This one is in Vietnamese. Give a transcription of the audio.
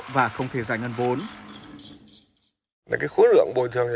và không thể giải ngân vốn